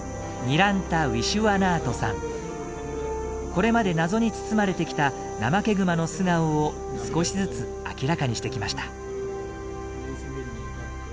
これまで謎に包まれてきたナマケグマの素顔を少しずつ明らかにしてきました。